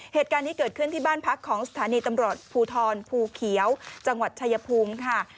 เหตุการณ์นี้เกิดขึ้นที่บ้านพักของสถานีตำรวจภูทรภูเขียวจังหวัดชายภูมิค่ะ